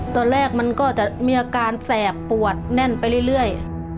ตอนแรกมันก็จะมีอาการแสบปวดแน่นไปเรื่อย